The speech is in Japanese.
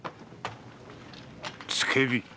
付け火！